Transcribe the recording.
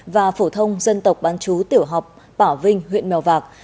và phổ thông dân tộc bán chú tiểu học bảo vinh huyện mèo vạc